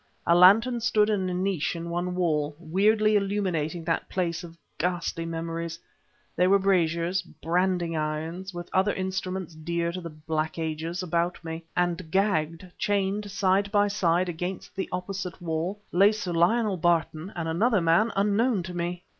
A lantern stood in a niche in one wall, weirdly illuminating that place of ghastly memories; there were braziers, branding irons, with other instruments dear to the Black Ages, about me and gagged, chained side by side against the opposite wall, lay Sir Lionel Barton and another man unknown to me!